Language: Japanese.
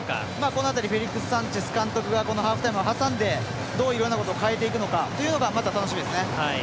この辺りフェリックス・サンチェス監督がハーフタイムを挟んでどういうことをしていくのかまた楽しみですね。